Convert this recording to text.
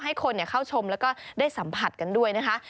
ให้คนเข้าชมแล้วก็ได้สัมผัสกันด้วยนะคะ